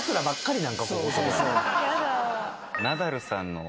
ナダルさんの。